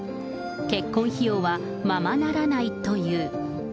結婚費用はままならないという。